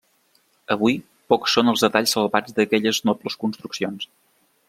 Avui, pocs són els detalls salvats d'aquelles nobles construccions.